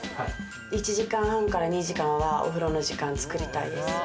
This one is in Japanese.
１時間半から２時間はお風呂の時間作りたいです。